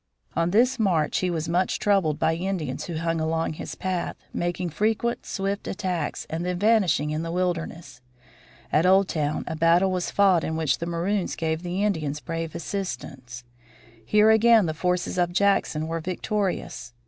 On this march he was much troubled by Indians who hung along his path, making frequent swift attacks and then vanishing in the wilderness. At Old Town a battle was fought in which the Maroons gave the Indians brave assistance. Here again the forces of Jackson were victorious.